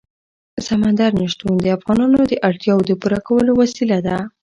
سمندر نه شتون د افغانانو د اړتیاوو د پوره کولو وسیله ده.